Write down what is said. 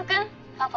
パパ。